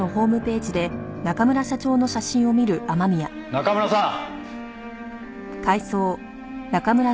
中村さん。